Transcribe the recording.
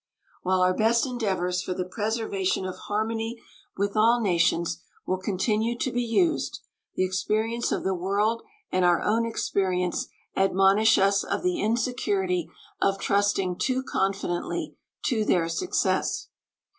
While our best endeavors for the preservation of harmony with all nations will continue to be used, the experience of the world and our own experience admonish us of the insecurity of trusting too confidently to their success.